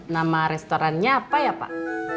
nama restorannya apa ya pak